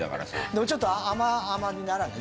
でもちょっと甘々にならない？